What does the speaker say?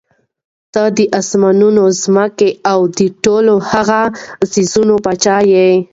ته د آسمانونو، ځمکي او د ټولو هغو څيزونو باچا ئي